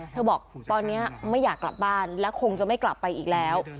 บอกตอนนี้ไม่อยากกลับบ้านและคงจะไม่กลับไปอีกแล้ว